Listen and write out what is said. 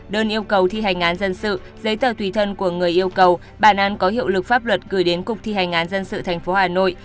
đơn yêu cầu thi hành án dân sự giấy tờ tùy thân của người yêu cầu bà an có hiệu lực pháp luật gửi đến cục thi hành án dân sự tp hà nội